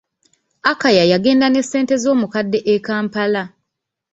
Akaya yagenda ne ssente z'omukadde e kampala.